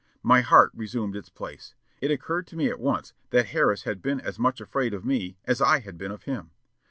My heart resumed its place. It occurred to me at once that Harris had been as much afraid of me as I had been of him.